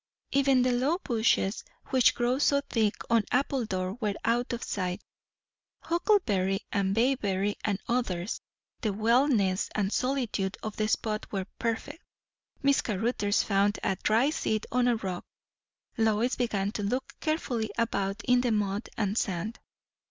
Even the low bushes which grow so thick on Appledore were out of sight, huckleberry and bayberry and others; the wildness and solitude of the spot were perfect. Miss Caruthers found a dry seat on a rock. Lois began to look carefully about in the mud and sand.